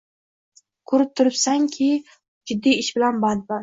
Ko‘rib turibsanku, jiddiy ish bilan bandman.